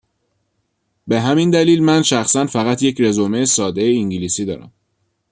به همین دلیل من شخصا فقط یک رزومه ساده انگلیسی دارم.